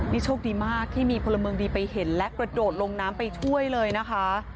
นี่โชคดีมากที่มีพลเมืองดีไปเห็นและกระโดดลงน้ำไปช่วยเลยนะคะ